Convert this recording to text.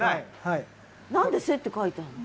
何で「せ」って書いてあるの？